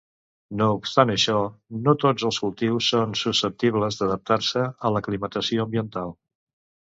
No obstant això, no tots els cultius són susceptibles d'adaptar-se a l'aclimatació ambiental.